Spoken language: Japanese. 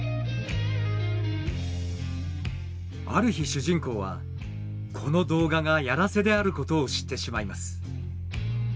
ある日主人公はこの動画がやらせであることを知ってしまいます。